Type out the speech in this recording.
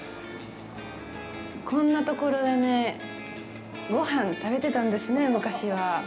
こんなところでねごはん食べてたんですね、昔は。